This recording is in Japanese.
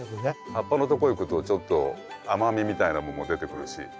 葉っぱのとこいくとちょっと甘みみたいなもんも出てくるし。